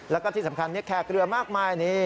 แล้วก็ที่สำคัญแขกเรือมากมายนี่